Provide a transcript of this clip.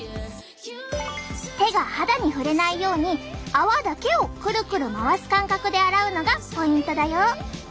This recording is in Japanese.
手が肌に触れないように泡だけをクルクル回す感覚で洗うのがポイントだよ。